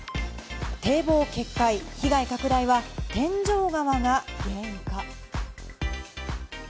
堤防決壊、被害拡大は天井川が原因か？